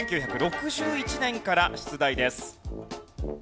１９６１年から出題です。